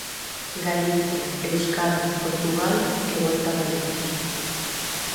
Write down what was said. Galicia, Euskadi, Portugal e volta a Galicia.